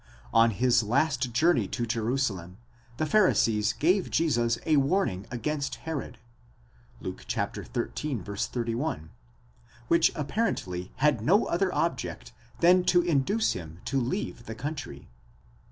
On his last journey to Jerusalem, the Pharisees gave Jesus a warning against Herod (Luke xiii. 31), which appar ently had no other object than to induce him to leave the country.